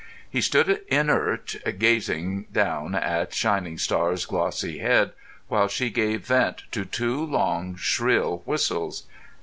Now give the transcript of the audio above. He stood inert, gazing down at Shining Star's glossy head, while she gave vent to two long, shrill whistles.